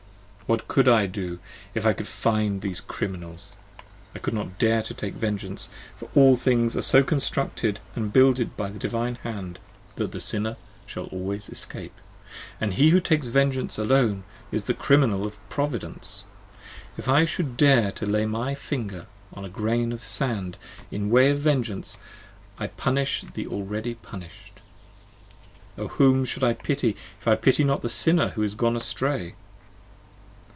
what could I do, if I could find these Criminals? 30 I could not dare to take vengeance: for all things are so constructed And builded by the Divine hand that the sinner shall always escape, And he who takes vengeance alone is the criminal of Providence: If I should dare to lay my finger on a grain of sand In way of vengeance, I punish the already punish'd; O whom 35 Should I pity if I pity not the sinner who is gone astray?